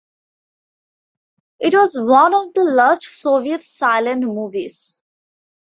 It was one of the last Soviet silent movies.